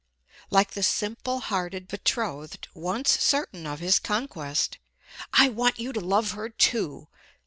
Like the simple hearted betrothed, once certain of his conquest, "I want you to love her, too!"